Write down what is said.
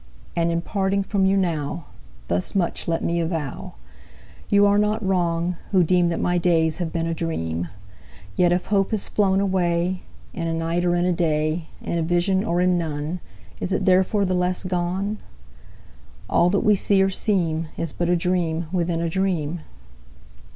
And, in parting from you now, Thus much let me avow You are not wrong, who deem That my days have been a dream: Yet if hope has flown away In a night, or in a day, In a vision or in none, Is it therefore the less gone? All that we see or seem Is but a dream within a dream.